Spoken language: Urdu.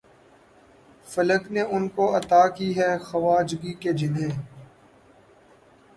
فلک نے ان کو عطا کی ہے خواجگی کہ جنھیں